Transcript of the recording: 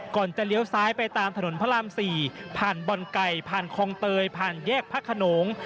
จะเลี้ยวซ้ายไปตามถนนพระราม๔ผ่านบ่อนไก่ผ่านคลองเตยผ่านแยกพระขนง